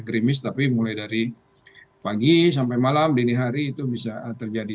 gerimis tapi mulai dari pagi sampai malam dini hari itu bisa terjadi